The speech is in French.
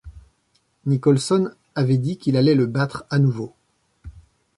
Nicholson avait dit qu'il allait le battre à nouveau.